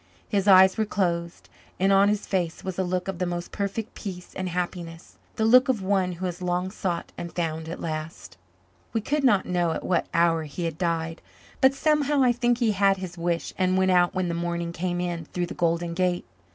His eyes were closed and on his face was a look of the most perfect peace and happiness the look of one who has long sought and found at last. We could not know at what hour he had died, but somehow I think he had his wish and went out when the morning came in through the Golden Gate.